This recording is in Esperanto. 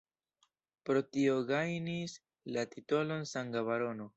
Pro tio gajnis la titolon Sanga Barono.